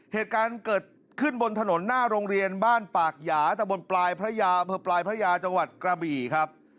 เหตุการณ์เกิดขึ้นบนถนนหน้าโรงเรียนบ้านปากหยาตะบนปลายพระยาอำเภอปลายพระยาจังหวัดกระบี่ครับ